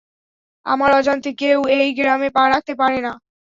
আমার অজান্তে কেউ এই গ্রামে পা রাখতে পারে না।